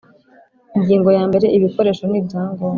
Ingingo yambere Ibikoresho n ibyangombwa